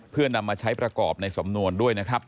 เพื่อนำมาใช้ประกอบในสำนวนด้วยนะครับ